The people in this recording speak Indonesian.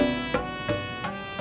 iya nih sepi